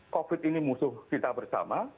covid ini musuh kita bersama